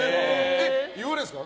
言われるんですか？